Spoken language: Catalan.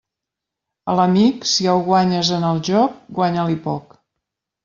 A l'amic, si el guanyes en el joc, guanya-li poc.